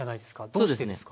どうしてですか？